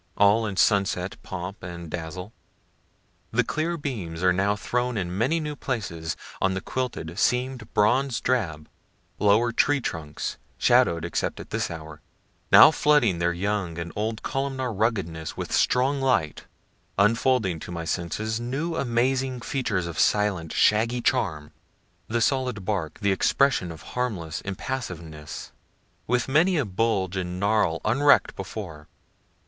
all in sunset pomp and dazzle. The clear beams are now thrown in many new places, on the quilted, seam'd, bronze drab, lower tree trunks, shadow'd except at this hour now flooding their young and old columnar ruggedness with strong light, unfolding to my sense new amazing features of silent, shaggy charm, the solid bark, the expression of harmless impassiveness, with many a bulge and gnarl unreck'd before.